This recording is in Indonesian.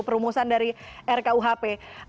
perumusan dari rkuhp